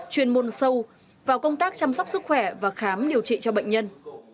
chuyên môn sâu vào công tác chăm sóc sức khỏe và khám điều trị cho bệnh nhân